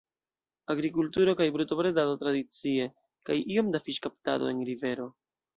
Agrikulturo kaj brutobredado tradicie, kaj iom da fiŝkaptado en rivero.